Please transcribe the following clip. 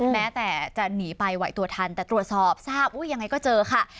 แม้แต่จะหนีไปไหวตัวทันแต่ตรวจสอบทราบยังไงก็เจอค่ะ